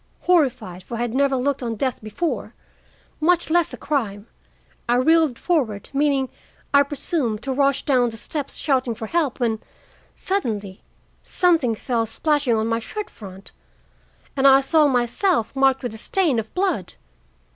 Horrified, for I had never looked on death before, much less crime, I reeled forward, meaning, I presume, to rush down the steps shouting for help, when, suddenly, something fell splashing on my shirt front, and I saw myself marked with a stain of blood.